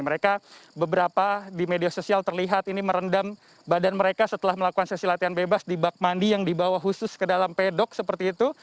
mereka beberapa di media sosial terlihat ini merendam badan mereka setelah melakukan sesi latihan bebas di bak mandi yang dibawa khusus ke dalam pedok seperti itu